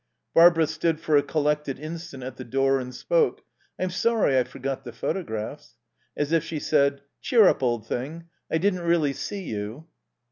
Barbara stood for a collected instant at the door and spoke: "I'm sorry I forgot the photographs." As if she said: "Cheer up, old thing. I didn't really see you."